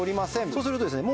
そうするとですね